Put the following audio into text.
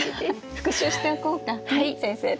復習しておこうか先生と。